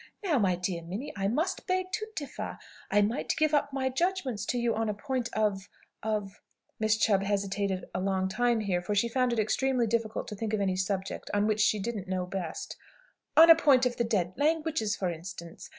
"Now, my dear Minnie, I must beg to differ. I might give up my judgment to you on a point of of " (Miss Chubb hesitated a long time here, for she found it extremely difficult to think of any subject on which she didn't know best) "on a point of the dead languages, for instance.